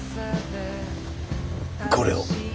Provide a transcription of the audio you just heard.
これを。